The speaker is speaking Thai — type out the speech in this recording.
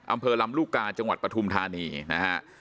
อำเภอลำลูกกาจังหวัดปฐุมธานีนะฮะ